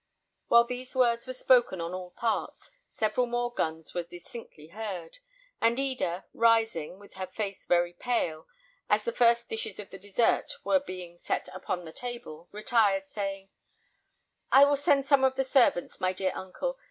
While these words were spoken on all parts, several more guns were distinctly heard; and Eda, rising, with her face very pale, as the first dishes of the dessert were set upon the table, retired, saying, "I will send out some of the servants, my dear uncle.